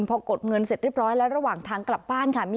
พอกดเงินเสร็จเรียบร้อยแล้วระหว่างทางกลับบ้านค่ะ